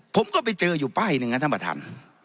ผมก็ไปเจออยู่ป้ายหนึ่งนะท่านประธาน